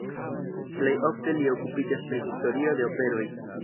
Plej ofte li okupiĝas pri historio de operoj.